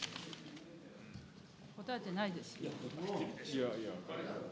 答えてないですよ。